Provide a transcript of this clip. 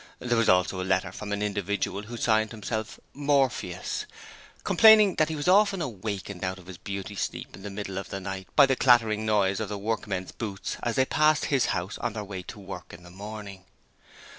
There was also a letter from an individual who signed himself 'Morpheus' complaining that he was often awakened out of his beauty sleep in the middle of the night by the clattering noise of the workmen's boots as they passed his house on their way to work in the morning.